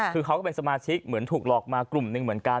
คือเขาก็เป็นสมาชิกเหมือนถูกหลอกมากลุ่มหนึ่งเหมือนกัน